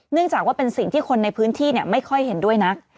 จากว่าเป็นสิ่งที่คนในพื้นที่ไม่ค่อยเห็นด้วยนัก